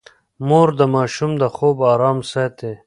مور د ماشوم د خوب ارام ساتي.